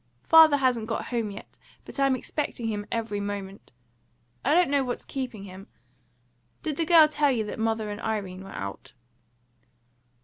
Father hasn't got home yet, but I'm expecting him every moment; I don't know what's keeping him. Did the girl tell you that mother and Irene were out?"